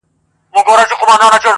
ماته په اورغوي کي ازل موجونه کښلي وه؛